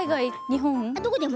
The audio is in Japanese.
日本？